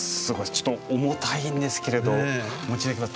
ちょっと重たいんですけれどお持ち頂きます。